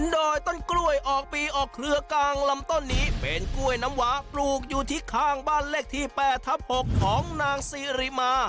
โดยต้นกล้วยออกปีออกเครือกลางลำต้นนี้เป็นกล้วยน้ำหวาปลูกอยู่ที่ข้างบ้านเลขที่๘ทับ๖ของนางซีริมา